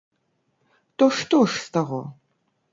То што ж з таго?